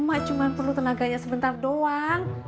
cuma perlu tenaganya sebentar doang